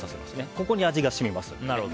ここに味が染みます。